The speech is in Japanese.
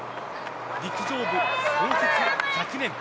陸上部創設１００年。